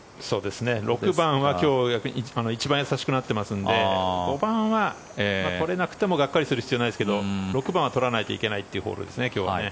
６番は今日一番易しくなってますので５番は取れなくてもがっかりする必要はないですが６番は取らないといけないというホールですね。